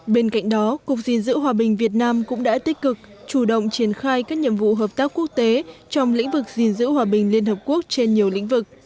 bên cạnh đó cục diên dữ hòa bình việt nam cũng đã tích cực chủ động triển khai các nhiệm vụ hợp tác quốc tế trong lĩnh vực diên dữ hòa bình liên hợp quốc trên nhiều lĩnh vực